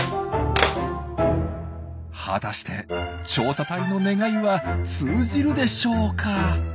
果たして調査隊の願いは通じるでしょうか？